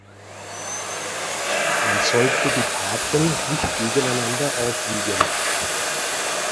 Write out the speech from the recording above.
Man sollte die Taten nicht gegeneinander aufwiegen.